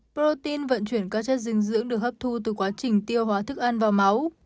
protein vận chuyển các chất dinh dưỡng được hấp thu từ quá trình tiêu hóa thức ăn vào máu